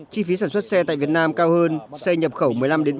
chi phí sản xuất xe tại việt nam cao hơn xe nhập khẩu một mươi năm bốn mươi